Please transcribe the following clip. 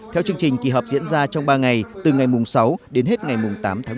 theo chương trình kỳ họp diễn ra trong ba ngày từ ngày mùng sáu đến hết ngày mùng tám tháng một mươi hai